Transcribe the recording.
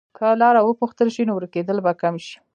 که لاره وپوښتل شي، نو ورکېدل به کم شي.